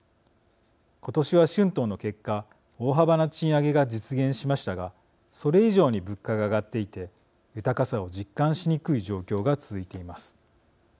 今年は春闘の結果大幅な賃上げが実現しましたがそれ以上に物価が上がっていて豊かさを実感しにくい状況が続いています。